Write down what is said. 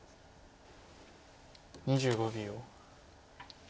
２５秒。